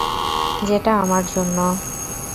যেটা আমার জন্য।